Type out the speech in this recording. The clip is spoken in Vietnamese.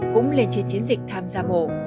cũng lên trên chiến dịch tham gia mổ